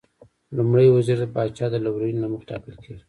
لومړی وزیر د پاچا د لورینې له مخې ټاکل کېږي.